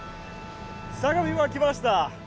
相模湾来ました。